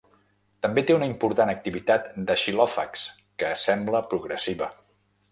També té una important activitat de xilòfags, que sembla progressiva.